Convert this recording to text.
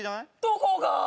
どこが？